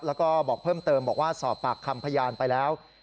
แล้วก็บอกเพิ่มเติมบอกว่าสอบปากคำพยานไปแล้ว